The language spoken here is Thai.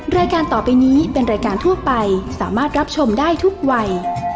รายการต่อไปนี้เป็นรายการทั่วไปสามารถรับชมได้ทุกวัย